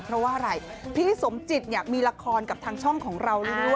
เพราะว่าอะไรพี่สมจิตเนี่ยมีละครกับทางช่องของเราเรื่อย